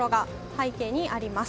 背景にあります。